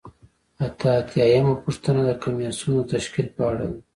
اته اتیا یمه پوښتنه د کمیسیون د تشکیل په اړه ده.